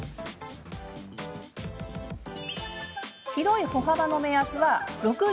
広い歩幅の目安は６５ｃｍ。